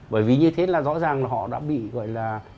bởi vì như thế là rõ ràng là họ đã bị gọi là